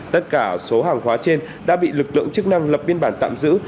tất cả số hàng hóa trên đã bị lực lượng chức năng lập biên bản tạm giữ